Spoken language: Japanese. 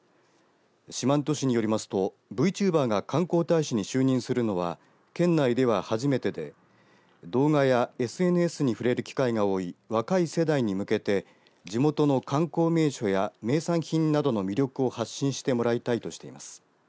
四万十市によりますとＶチューバーが観光大使に就任するのは県内では初めてで動画やＳＮＳに触れる機会が多い若い世代に向けて地元の観光名所や名産品などの魅力を発信してもらいたいとしています。